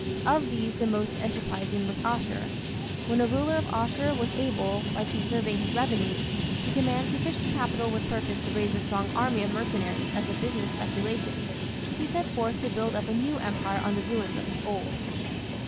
Of these the most enterprising was Asshur. When a ruler of Asshur was able, by conserving his revenues, to command sufficient capital with purpose to raise a strong army of mercenaries as a business speculation, he set forth to build up a new empire on the ruins of the old.